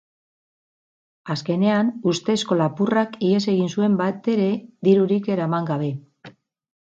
Azkenean, ustezko lapurrak ihes egin zuen batere dirurik eraman gabe.